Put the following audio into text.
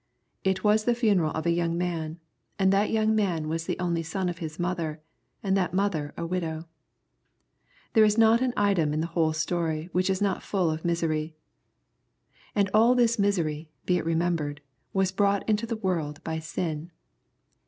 It was the funeral of a young man, and that young man the only son of his mother, and that mother a widow. There is not an item in the whole story, which is not full of misery. And all this misery, be it remembered, was brought into the world by sin.